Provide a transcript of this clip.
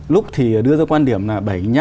lúc thì đưa ra quan điểm là